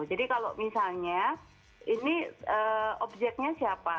jadi kalau misalnya ini objeknya siapa